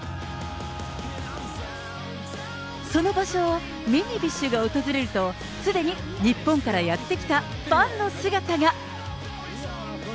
その場所をミニビッシュが訪れると、すでに日本からやって来たファンの姿が。